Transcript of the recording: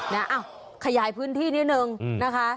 เนี่ยขยายพื้นที่นิดหนึ่งนะคะ